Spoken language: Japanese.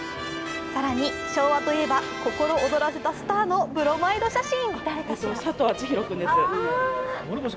更に、昭和といえば心躍らせたスターのブロマイド写真。